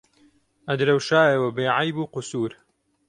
ئەدرەوشایەوە بێعەیب و قوسوور